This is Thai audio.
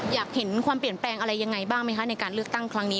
อยากเห็นความเปลี่ยนแปลงอะไรยังไงบ้างไหมคะในการเลือกตั้งครั้งนี้